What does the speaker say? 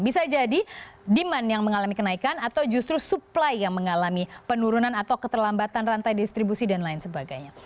bisa jadi demand yang mengalami kenaikan atau justru supply yang mengalami penurunan atau keterlambatan rantai distribusi dan lain sebagainya